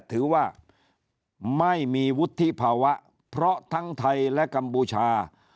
ถือว่าไม่มีวุฒิภาวะเพราะทั้งไทยและกัมพูชา